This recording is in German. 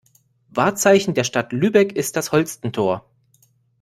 Wahrzeichen der Stadt Lübeck ist das Holstentor.